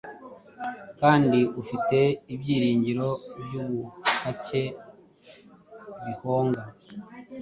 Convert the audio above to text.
kandi ufite ibyiringiro byubuhake bihonga